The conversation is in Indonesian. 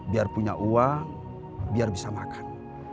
biar punya uang biar bisa makan